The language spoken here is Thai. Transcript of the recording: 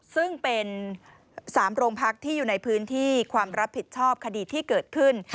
ซึ่งเป็น๓โรงพักที่อยู่ในพื้นที่ความรับผิดชอบคดีที่เกิดขึ้น